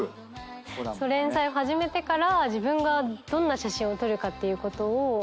連載を始めてから自分がどんな写真を撮るかっていうことを。